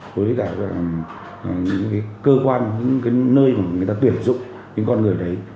với cả những cái cơ quan những cái nơi mà người ta tuyển dụng những con người đấy